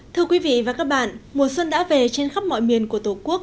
thưa quý vị và các bạn mùa xuân đã về trên khắp mọi miền của tổ quốc